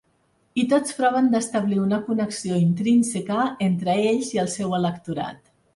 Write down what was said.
I tots proven d’establir una connexió intrínseca entre ells i el seu electorat.